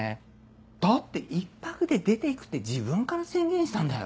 だって「１泊で出ていく」って自分から宣言したんだよ？